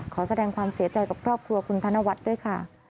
ขอแสดงความเสียใจกับครอบครัวคุณธนวัฒน์ด้วยค่ะ